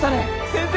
先生。